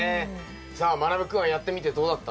さあまなぶ君はやってみてどうだった？